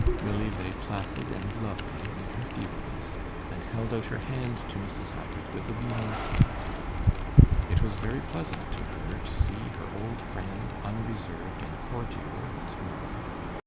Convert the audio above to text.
Milly lay placid and lovely in her feebleness, and held out her hand to Mrs. Hackit with a beaming smile. It was very pleasant to her to see her old friend unreserved and cordial once more.